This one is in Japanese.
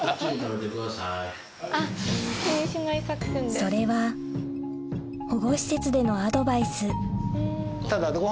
それは保護施設でのアドバイス